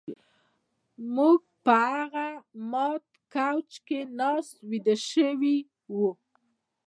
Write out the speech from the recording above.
موږ په هغه مات کوچ کې ناست ویده شوي وو